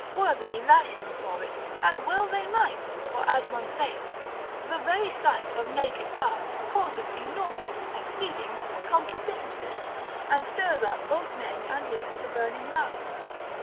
worthily lash him for it; and well they might: for as one saith, the very sight of naked parts causeth enormous, exceeding concupiscences, and stirs up both men and women to burning lust.